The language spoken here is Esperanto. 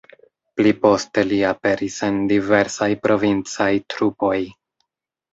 Pli poste li aperis en diversaj provincaj trupoj.